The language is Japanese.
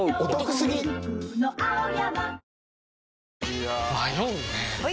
いや迷うねはい！